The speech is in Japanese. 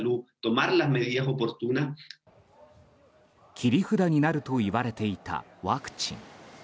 切り札になるといわれていたワクチン。